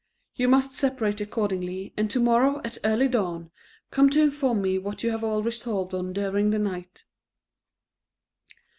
You must separate accordingly, and to morrow at early dawn, come to inform me what you have all resolved on during the night."